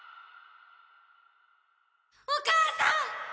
お母さん！